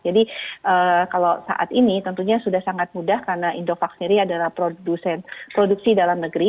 jadi kalau saat ini tentunya sudah sangat mudah karena indovac sendiri adalah produksi dalam negeri